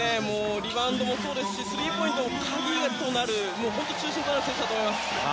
リバウンドもそうですしスリーポイントでも鍵となる中心となる選手だと思います。